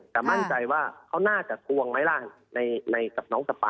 แต่มั่นใจว่าเขาน่าจะทวงไหมล่ะในกับน้องสปา